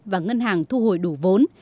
và ngân hàng thu hồi đủ vốn